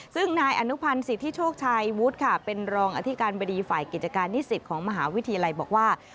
ซึ่งนายอนุพันธ์สิทธิโชคชัยวุฒิค่ะเป็นรองอธิการบดีฝ่ายกิจการนิสิตของมหาวิทยาลัยบอกว่า